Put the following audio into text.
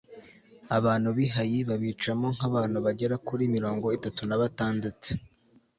abantu b'i hayi babicamo nk'abantu bagera kuri mirongo itatu na batandatu